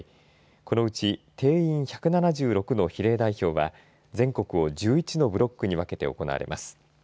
このうち定員１７６の比例代表は全国を１１のブロックに分けて行われます。